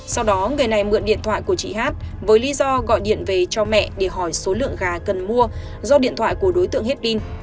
sau đó người này mượn điện thoại của chị hát với lý do gọi điện về cho mẹ để hỏi số lượng gà cần mua do điện thoại của đối tượng hết pin